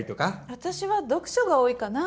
私は読書が多いかな。